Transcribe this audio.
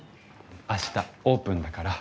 明日オープンだから。